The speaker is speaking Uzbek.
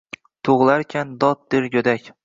Tug’ilarkan, dod der go’dak